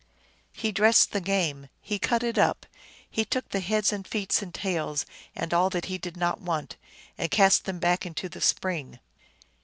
He dressed the game ; he cut it up. He took the heads and feet and tails and all that he did not want, and cast them back into the spring.